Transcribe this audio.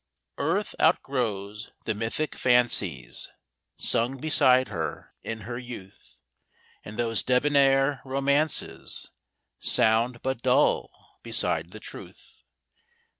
ARTH outgrows the mythic fancies Sung beside her in her youth ; And those debonair romances Sound but dull beside the truth.